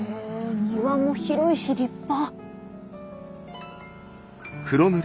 庭も広いし立派。